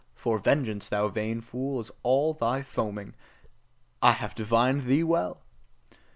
For vengeance, thou vain fool, is all thy foaming; I have divined thee well!